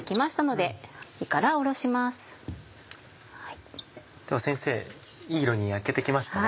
では先生いい色に焼けて来ましたね。